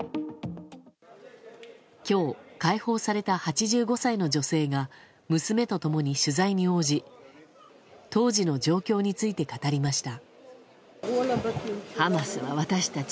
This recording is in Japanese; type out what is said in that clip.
今日、解放された８５歳の女性が娘と共に取材に応じ当時の状況について語りました。